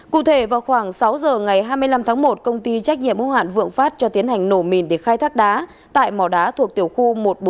cụ thể vào khoảng sáu giờ ngày hai mươi năm tháng một công ty trách nhiệm hóa hoạn vượng phát cho tiến hành nổ mìn để khai thác đá tại mò đá thuộc tiểu khu một nghìn bốn trăm sáu mươi chín